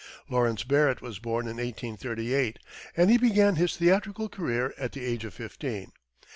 Lawrence Barrett was born in 1838, and he began his theatrical career at the age of fifteen.